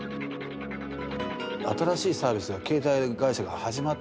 新しいサービスが携帯会社が始まったんですね。